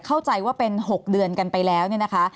เข้าใจว่าเป็น๖เดือนกันไปแล้วเนี่ยนะคะ